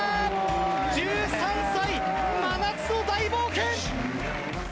１３歳真夏の大冒険！